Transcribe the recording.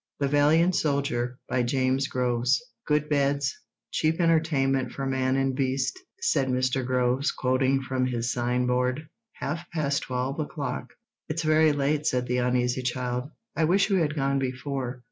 "'The Valiant Soldier,' by James Groves. Good beds. Cheap entertainment for man and beast," said Mr. Groves, quoting from his sign board. "Half past twelve o'clock." "It's very late," said the uneasy child. "I wish we had gone before.